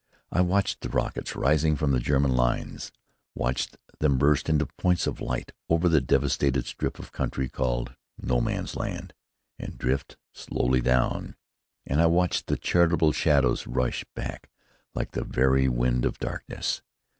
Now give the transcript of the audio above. I watched the rockets rising from the German lines, watched them burst into points of light, over the devastated strip of country called "No Man's Land" and drift slowly down. And I watched the charitable shadows rush back like the very wind of darkness.